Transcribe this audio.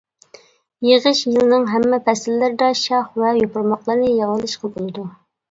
يىغىش يىلنىڭ ھەممە پەسىللىرىدە شاخ ۋە يوپۇرماقلىرىنى يىغىۋېلىشقا بولىدۇ.